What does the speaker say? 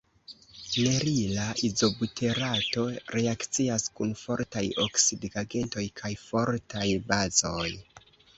Nerila izobuterato reakcias kun fortaj oksidigagentoj kaj fortaj bazoj.